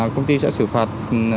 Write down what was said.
công ty sẽ xử phạt